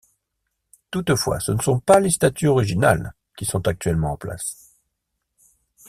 Toutefois, ce ne sont pas les statues originales qui sont actuellement en place.